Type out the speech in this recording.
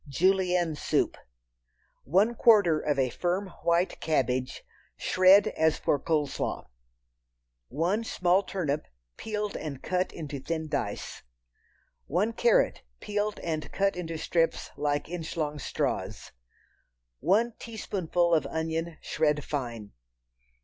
Julienne Soup. One quarter of a firm white cabbage, shred as for cold slaw. One small turnip, peeled and cut into thin dice. One carrot, peeled and cut into strips like inch long straws. One teaspoonful of onion shred fine.